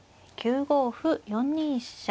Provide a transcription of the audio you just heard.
９五歩４ニ飛車